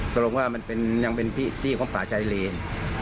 ก็รวมว่ามันเป็นพี่ฤกษ์ของผาใจริน